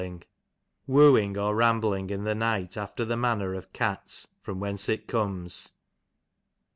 /wooing or ram bling in the night after the manner of cats, from ^whence it comes.